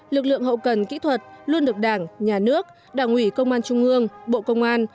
lực lượng hậu cần kỹ thuật luôn được đảng nhà nước đảng ủy công an trung ương bộ công an